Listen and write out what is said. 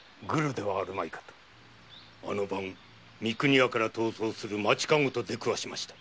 あの晩三国屋から逃走する町カゴと出くわしました。